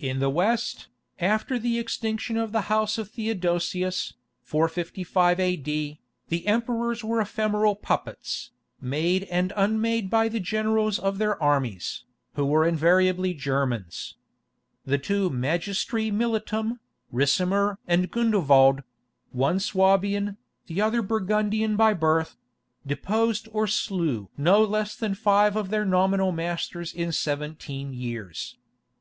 In the West, after the extinction of the house of Theodosius (455 A.D.), the emperors were ephemeral puppets, made and unmade by the generals of their armies, who were invariably Germans. The two Magistri militum, Ricimer and Gundovald—one Suabian, the other Burgundian by birth—deposed or slew no less than five of their nominal masters in seventeen years.